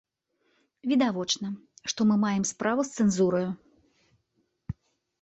Відавочна, што мы маем справу з цэнзураю.